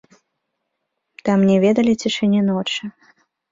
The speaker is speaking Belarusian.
Там не ведалі цішыні ночы.